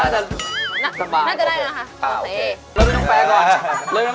แจ้งคอดลง